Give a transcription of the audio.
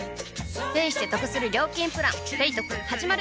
ペイしてトクする料金プラン「ペイトク」始まる！